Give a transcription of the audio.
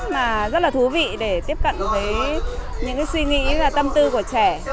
mà rất là thú vị để tiếp cận với những cái suy nghĩ và tâm tư của trẻ